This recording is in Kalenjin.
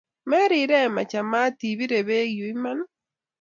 MerireMachamat ibiree beek yuui, Iman?